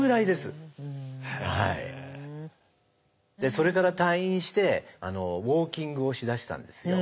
それから退院してウォーキングをしだしたんですよ。